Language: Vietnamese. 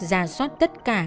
gà xót tất cả các hồ sơ